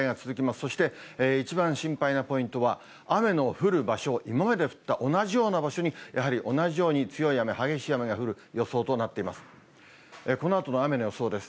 そして一番心配なポイントは、雨の降る場所、今まで降った同じような場所にやはり同じように強い雨、激しい雨が降る予想となっています。